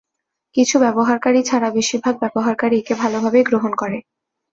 কিছু ব্যবহারকারী ছাড়া বেশিরভাগ ব্যবহারকারী একে ভালোভাবেই গ্রহণ করে।